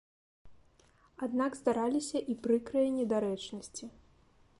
Аднак здараліся і прыкрыя недарэчнасці.